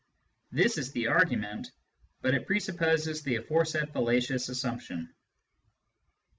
This is the argument : but it presupposes the aforesaid fallacious assumption."